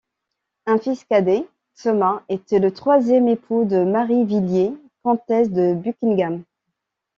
Un fils cadet, Thomas, était le troisième époux de Mary Villiers, comtesse de Buckingham.